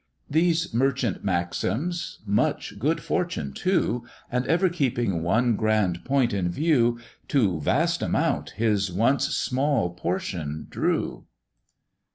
These merchant maxims, much good fortune too, And ever keeping one grand point in view, To vast amount his once small portion drew.